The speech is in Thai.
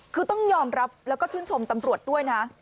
คือต้องยอมรับแล้วก็ชื่นชมตำรวจด้วยนะ